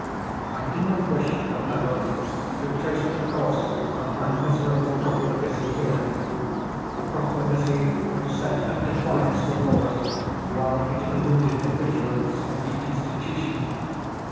I do not wish, however, to trace the course of my miserable profligacy here—a profligacy which set at defiance the laws, while it eluded the vigilance of the institution.